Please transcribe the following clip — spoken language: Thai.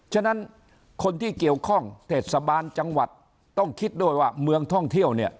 ฉะนั้นคนที่เกี่ยวข้องเทศบาลจังหวัดต้องคิดด้วยว่าเมืองท่องเที่ยวเนี่ย